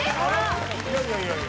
いやいやいやいや。